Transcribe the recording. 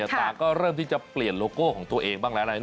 ตาก็เริ่มที่จะเปลี่ยนโลโก้ของตัวเองบ้างแล้ว